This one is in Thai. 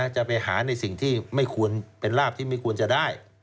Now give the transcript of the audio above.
จะไปหาในสิ่งที่ไม่ควรเป็นลาบที่ไม่ควรจะได้